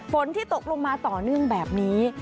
ฝนที่ตกลงมาต่อเนื่องแบบนี้